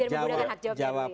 biar menggunakan hak jawabnya